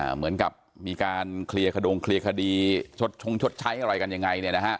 เหมือนกับมีการเคลียร์ขดงเคลียร์คดีชดชงชดใช้อะไรกันยังไง